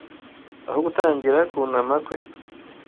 aho gutangira kunama kwe